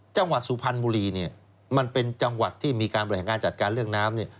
จังหวัดสุพรรณบุรีเนี่ยมันเป็นจังหวัดที่มีการบริหารงานจัดการเรื่องน้ำเนี่ย